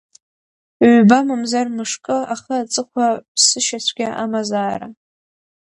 Ҩба, мамзар, мышкы ахы аҵыхәа ԥсышьацәгьа амазаара.